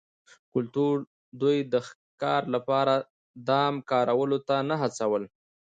کلتور دوی د ښکار لپاره دام کارولو ته نه هڅول